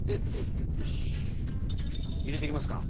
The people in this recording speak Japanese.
入れていきますか。